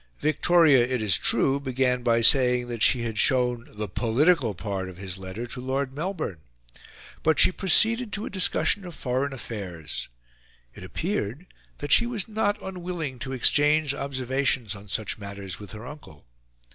Victoria, it is true, began by saying that she had shown the POLITICAL PART of his letter to Lord Melbourne; but she proceeded to a discussion of foreign affairs. It appeared that she was not unwilling to exchange observations on such matters with her uncle.